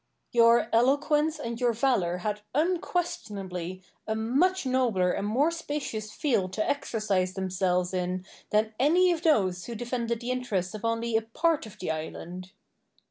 Douglas. Your eloquence and your valour had unquestionably a much nobler and more spacious field to exercise themselves in than any of those who defended the interests of only a part of the island.